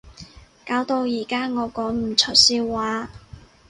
搞到而家我講唔出笑話